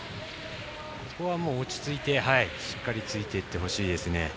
ここはもう落ち着いてしっかりついていってほしいですね。